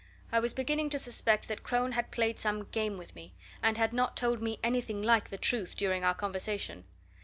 I was beginning to suspect that Crone had played some game with me, and had not told me anything like the truth during our conversation.